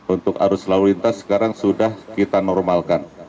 untuk arus lalu lintas sekarang sudah kita normalkan